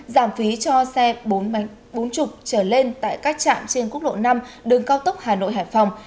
giảm phí cho xe bốn mươi trở lên tại các trạm trên quốc lộ năm đường cao tốc hà nội hải phòng